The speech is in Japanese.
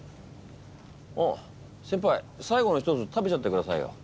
あっ先輩最後の一つ食べちゃってくださいよ。